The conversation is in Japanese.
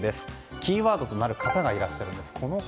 キーワードとなる方がいらっしゃいます。